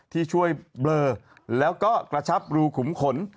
ที่ช่วยเบลอแล้วก็กระชับรูขุมขน